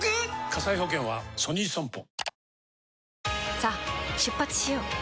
さあ出発しよう。